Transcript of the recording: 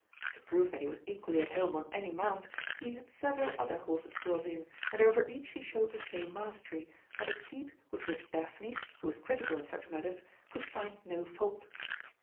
To prove that he was equally at home on any mount, he had several other horses brought in, and over each he showed the same mastery, and a seat with which Daphne, who was critical in such matters, could find no fault.